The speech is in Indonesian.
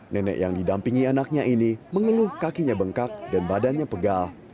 nenek yang didampingi anaknya ini mengeluh kakinya bengkak dan badannya pegal